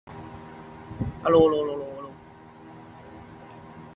Ai nói gì đâu Em không có nghe